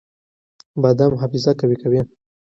بادام حافظه قوي کوي.